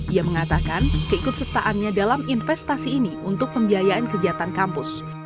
ia mengatakan keikutsertaannya dalam investasi ini untuk membiayain kegiatan kampus